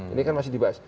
ini kan masih dibahas